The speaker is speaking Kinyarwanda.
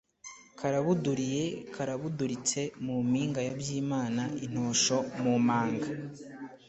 Karabuduriye karabuduritse mu mpinga ya Byimana-Intosho mu manga.